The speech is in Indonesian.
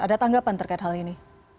ada tanggapan terkait hal ini